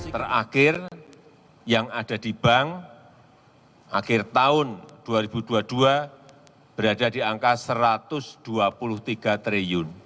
terakhir yang ada di bank akhir tahun dua ribu dua puluh dua berada di angka rp satu ratus dua puluh tiga triliun